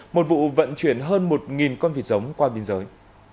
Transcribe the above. một vụ vận chuyển hơn một con vịt giống qua biên giới